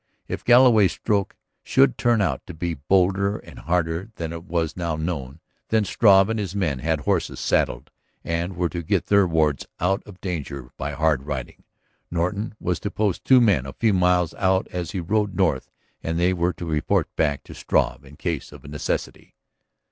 If Galloway's stroke should turn out to be bolder and harder than was now known, then Struve and his men had horses saddled and were to get their wards out of danger by hard riding. Norton was to post two men a few miles out as he rode north and they were to report back to Struve in case of necessity.